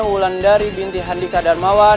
wulan dari binti handika darmawan